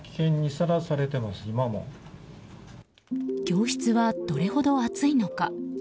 教室はどれほど暑いのか。